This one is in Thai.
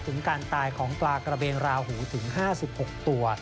ถึงการตายของปลากระเบนราหูถึง๕๖ตัว